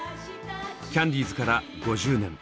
キャンディーズから５０年。